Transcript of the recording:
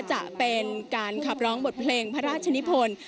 จะเป็นการขับร้องบทเพลงพระราชนิพล